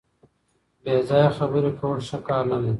بې ځایه خبرې کول ښه کار نه دی.